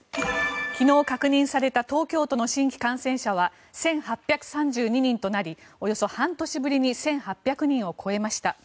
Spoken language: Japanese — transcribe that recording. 昨日、確認された東京都の新規感染者は１８３２人となりおよそ半年ぶりに１８００人を超えました。